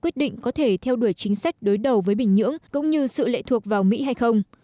quyết định có thể theo đuổi chính sách đối đầu với bình nhưỡng cũng như sự lệ thuộc vào mỹ hay không